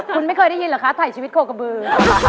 คุณไม่เคยได้ยินเหรอคะถ่ายชีวิตโคกระบือ